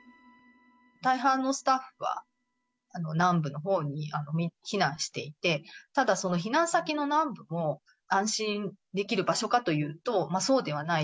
大半のスタッフは南部のほうにみんな避難していて、ただ、その避難先の南部も、安心できる場所かというと、そうではない。